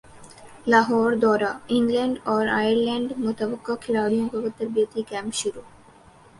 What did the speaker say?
لاہوردورہ England اور ئرلینڈمتوقع کھلاڑیوں کا تربیتی کیمپ شروع